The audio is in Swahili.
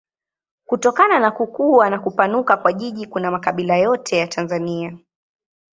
Kutokana na kukua na kupanuka kwa jiji kuna makabila yote ya Tanzania.